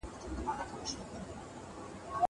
زه پرون ځواب وليکه!